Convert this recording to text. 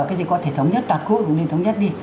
cái gì có thể thống nhất đạt khuôn cũng nên thống nhất đi